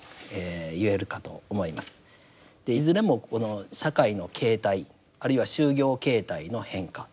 いずれもこの社会の形態あるいは就業形態の変化